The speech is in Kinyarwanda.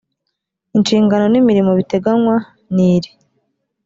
inshingano n imirimo biteganywa n iri